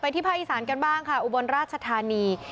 ที่ภาคอีสานกันบ้างค่ะอุบลราชธานี